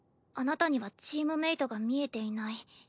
あなたにはチームメイトが見えていない」。